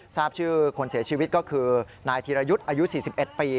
ทราบชื่อคนเสียชีวิตก็คือนายธีรยุทธ์อายุ๔๑ปี